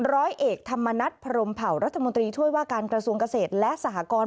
ร้อยเอกธรรมนัฐพรมเผารัฐมนตรีช่วยว่าการกระทรวงเกษตรและสหกร